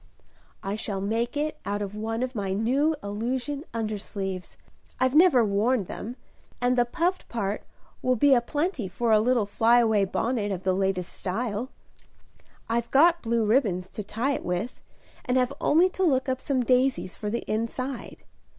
"I shall make it out of one of my new illusion undersleeves. I've never worn them; and the puffed part will be a plenty for a little fly away bonnet of the latest style. I've got blue ribbons to tie it with, and have only to look up some daisies for the inside.